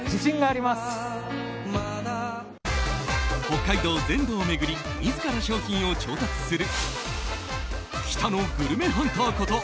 北海道全土を巡り自ら商品を調達する北のグルメハンターこと